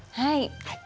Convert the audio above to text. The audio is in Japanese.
はい。